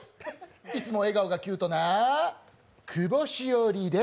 いつも笑顔がキュートな、久保史緒里です。